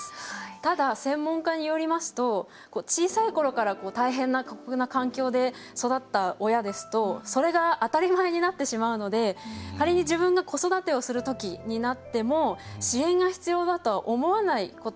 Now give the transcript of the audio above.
ただ専門家によりますと小さい頃から大変な過酷な環境で育った親ですとそれが当たり前になってしまうので仮に自分が子育てをする時になっても支援が必要だとは思わないことがあるといいます。